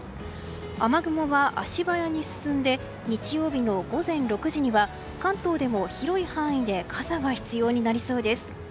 雨雲は足早に進んで日曜日の午前６時には関東でも広い範囲で傘が必要になりそうです。